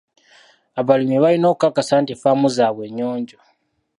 Abalimi balina okukakasa nti ffaamu zaabwe nnyonjo.